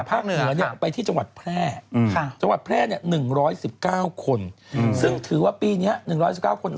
ภาคเหนือเนี่ยไปที่จังหวัดแพร่จังหวัดแพร่เนี่ย๑๑๙คนซึ่งถือว่าปีเนี่ย๑๑๙คน